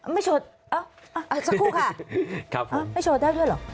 ไม่โชว์สักครู่ค่ะครับไม่โชว์ได้ด้วยหรอ